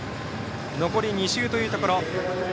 残り２周というところ。